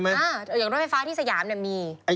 อ่ะอย่างรถไฟฟ้าที่สยามมี